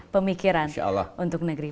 pemikiran untuk negeri